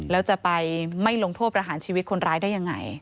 แล้วจะไปไม่ลงโทษประหารชีวิตคนร้ายได้ยังไง